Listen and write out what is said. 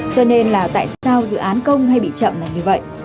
cho nên là tại sao dự án công hay bị chậm là như vậy